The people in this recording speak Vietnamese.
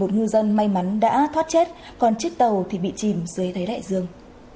một mươi một ngư dân may mắn đã thoát chết còn chiếc tàu thì bị chìm dưới thái đại dương